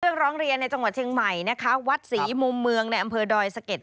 ร้องเรียนในจังหวัดเชียงใหม่นะคะวัดศรีมุมเมืองในอำเภอดอยสะเก็ด